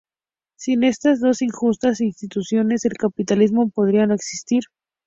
Sin estas dos injustas instituciones, el capitalismo podría no existir.